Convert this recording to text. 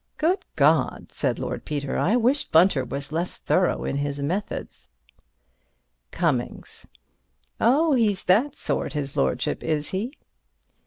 ("Good God," said Lord Peter, "I wish Bunter was less thorough in his methods." ) Cummings: Oh, he's that sort, his lordship, is he?